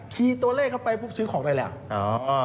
คีย์ตัวเลขเข้าไปปุ๊บซื้อของหน่อยแหละ